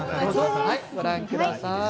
ご覧ください。